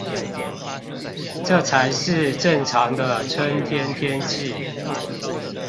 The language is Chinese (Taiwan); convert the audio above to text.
這才是正常的春天天氣